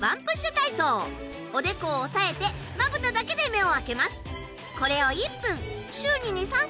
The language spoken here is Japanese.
おでこを押さえて瞼だけで目を開けますこれを。